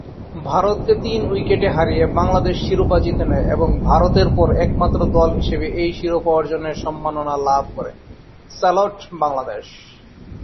ভারতকে তিন উইকেটে হারিয়ে বাংলাদেশ শিরোপা জিতে নেয় এবং ভারতের পর একমাত্র দল হিসেবে এই শিরোপা অর্জনের সম্মান লাভ করে।